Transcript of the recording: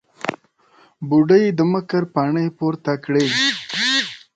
بوډۍ د مکر پاڼې پورته کړې.